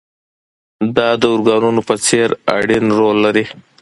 دا د ارګانونو په څېر اړين رول لري.